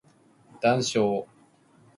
談笑